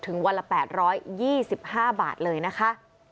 วันละ๘๒๕บาทเลยนะคะ